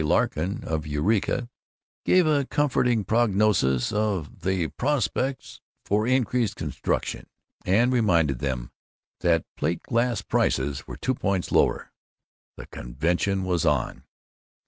Larkin of Eureka gave a comforting prognosis of "The Prospects for Increased Construction," and reminded them that plate glass prices were two points lower. The convention was on.